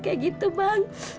biar kayak gitu bang